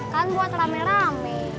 kan buat rame rame